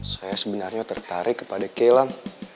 saya sebenarnya tertarik kepada kei lam